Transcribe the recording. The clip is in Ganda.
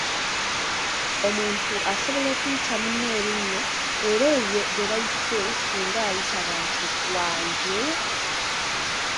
Omuntu asobola okuyita munne erinnya era oyo gwe bayise singa ayitaba nti "Wangi?